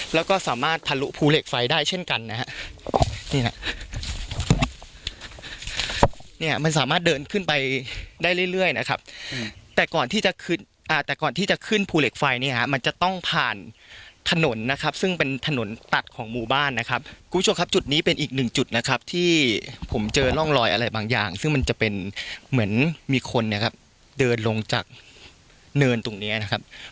แล้วก็สามารถทะลุภูเหล็กไฟได้เช่นกันนะฮะนี่แหละเนี่ยมันสามารถเดินขึ้นไปได้เรื่อยนะครับแต่ก่อนที่จะขึ้นอ่าแต่ก่อนที่จะขึ้นภูเหล็กไฟเนี่ยฮะมันจะต้องผ่านถนนนะครับซึ่งเป็นถนนตัดของหมู่บ้านนะครับคุณผู้ชมครับจุดนี้เป็นอีกหนึ่งจุดนะครับที่ผมเจอร่องรอยอะไรบางอย่างซึ่งมันจะเป็นเหมือนมีคนเนี่ยครับเดินลงจากเนินตรงเนี้ยนะครับ